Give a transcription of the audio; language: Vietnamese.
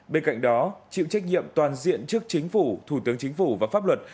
bên cạnh đó chịu trách nhiệm toàn diện trước chính phủ thủ tướng chính phủ và pháp luật